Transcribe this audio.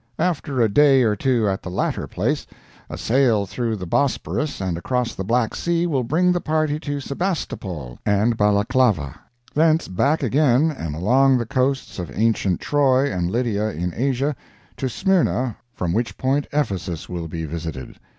After a day or two at the latter place, a sail through the Bosphorus and across the Black Sea will bring the party to Sebastopol and Balaklava—thence back again and along the coasts of ancient Troy and Lydia in Asia, to Smyrna, from which point Ephesus will be visited.